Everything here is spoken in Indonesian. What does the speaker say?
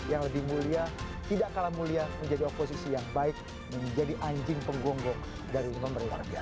yang lebih mulia tidak kalah mulia menjadi oposisi yang baik menjadi anjing penggonggong dari pemerintah